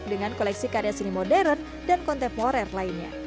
dengan koleksi karya seni modern dan kontemporer lainnya